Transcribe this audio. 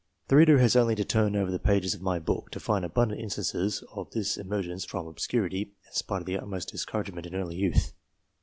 The reader has only to turn over the pages of my book, to find abundant instances of this emergence from obscurity, in spite of the ut discouragement in early youth.